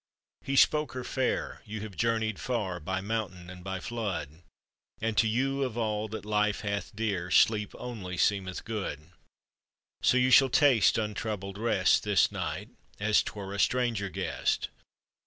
He spoke her fair: "You have journeyed far, By mountain and by flood, And to you of all that life hath dear, Sleep only seemeth good; So you shall taste untroubled rest This night as 'twere a stranger guest."